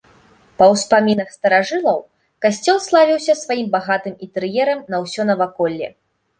Па ўспамінах старажылаў, касцёл славіўся сваім багатым інтэр'ерам на ўсё наваколле.